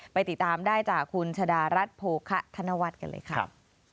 ไปติดตามได้จากคุณชะดารัฐโภคะธนวัฒน์กันเลยครับ